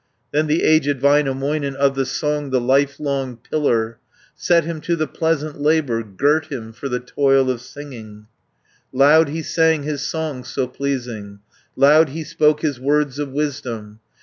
Then the aged Väinämöinen Of the song the lifelong pillar, Set him to the pleasant labour, Girt him for the toil of singing, Loud he sang his songs so pleasing, Loud he spoke his words of wisdom.